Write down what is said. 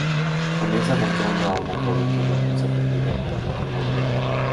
Comienza mostrando a una joven que emerge sorprendida de una tina de baño.